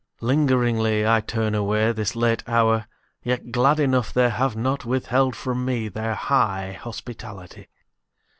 Lingeringly I turn away, This late hour, yet glad enough They have not withheld from me Their high hospitality.